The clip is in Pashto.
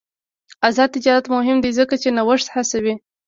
آزاد تجارت مهم دی ځکه چې نوښت هڅوي.